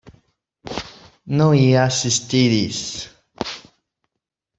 No hi ha cistidis.